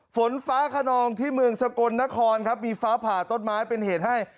ฝนฟ้าขนองที่เมืองสกลนครครับมีฟ้าผ่าต้นไม้เป็นเหตุให้